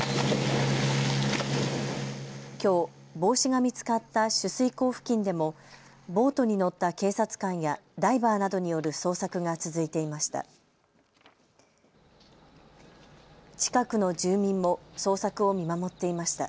きょう帽子が見つかった取水口付近でもボートに乗った警察官やダイバーなどによる捜索が続いていました。